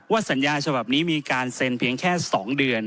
สัญญาฉบับนี้มีการเซ็นเพียงแค่๒เดือน